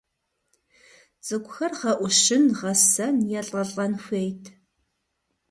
Цӏыкӏухэр гъэӀущын, гъэсэн, елӀэлӀэн хуейт.